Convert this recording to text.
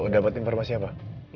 dapat informasi apa